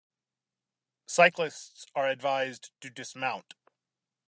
Cyclists are advised to dismount.